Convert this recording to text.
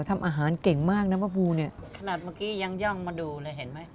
ทำอาหารเก่งมากน้ำมะพรูเนี่ยขนาดเมื่อกี้ยังย่องมาดูเลยเห็นไหม